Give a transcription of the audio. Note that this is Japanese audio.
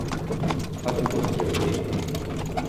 覚悟しておけ